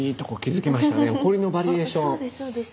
そうですそうです。